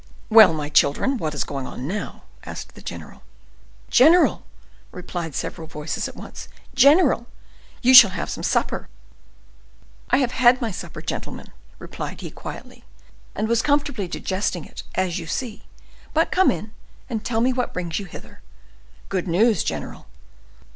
"Well, my children, what is going on now?" asked the general. "General!" replied several voices at once, "General! you shall have some supper." "I have had my supper, gentlemen," replied he quietly, "and was comfortably digesting it, as you see. But come in, and tell me what brings you hither." "Good news, general."